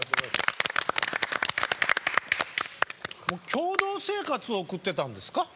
共同生活を送ってたんですか？